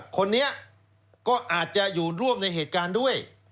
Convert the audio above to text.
คนนี้ก็อาจจะอยู่ร่วมในเหตุการณ์ด้วย